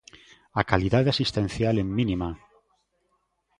A calidade asistencial en mínima.